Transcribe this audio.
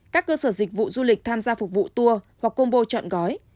các cơ sở dịch vụ du lịch tham gia phục vụ tour hoặc combo chọn gói